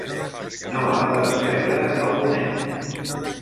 No ha de decebre a un nen.